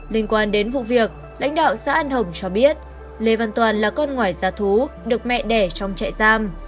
liên quan đến vụ việc lãnh đạo xã an hồng cho biết lê văn toàn là con ngoài ra thú được mẹ đẻ trong trại giam